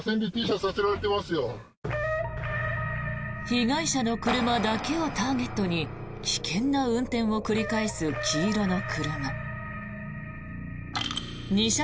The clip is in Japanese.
被害者の車だけをターゲットに危険な運転を繰り返す黄色の車。